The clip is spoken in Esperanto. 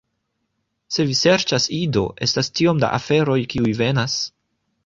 Se vi serĉas Ido, estas tiom da aferoj, kiuj venas